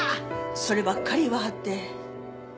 そればっかり言わはって。